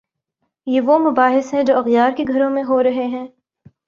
یہ وہ مباحث ہیں جو اغیار کے گھروں میں ہو رہے ہیں؟